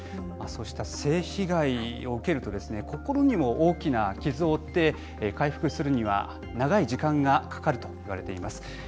そうした性被害を受けると心にも大きな傷を負って回復するには長い時間がかかるといわれています。